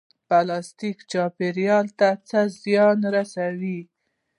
پلاستیک چاپیریال ته څه زیان رسوي؟